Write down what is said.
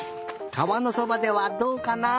かわのそばではどうかな？